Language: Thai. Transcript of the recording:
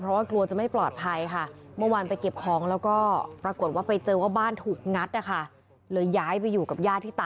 เพลงของเขาก็อยู่มาด้วยครับ